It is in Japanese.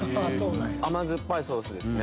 甘酸っぱいソースですね